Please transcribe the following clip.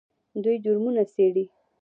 دوی جرمونه څیړي.